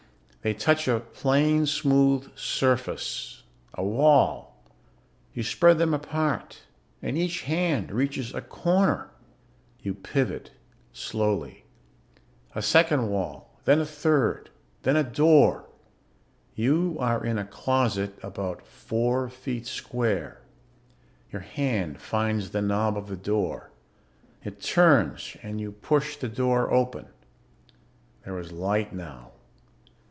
They touch a plain smooth surface, a wall. You spread them apart and each hand reaches a corner. You pivot slowly. A second wall, then a third, then a door. You are in a closet about four feet square. Your hand finds the knob of the door. It turns and you push the door open. There is light now.